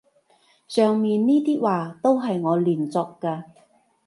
上面呢啲話都係我亂作嘅